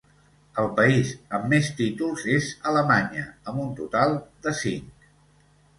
El país amb més títols és Alemanya amb un total de cinc.